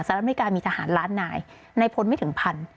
อเมริกามีทหารล้านนายในพลไม่ถึงพัน